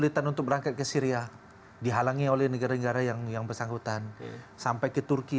kesulitan untuk berangkat ke syria dihalangi oleh negara negara yang bersangkutan sampai ke turki